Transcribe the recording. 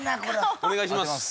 お願いします。